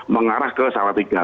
menuju ke salatiga